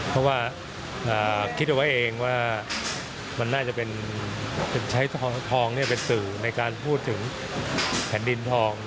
เพราะว่าคิดเอาไว้เองว่ามันน่าจะเป็นใช้ทองเป็นสื่อในการพูดถึงแผ่นดินทอง